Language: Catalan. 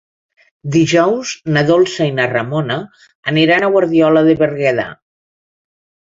Dijous na Dolça i na Ramona aniran a Guardiola de Berguedà.